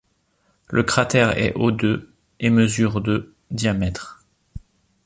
Le cratère est haut de et mesure de diamètre.